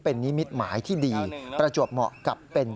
เป็นนิมิตหมายที่ดีประจวบเหมาะกับเป็น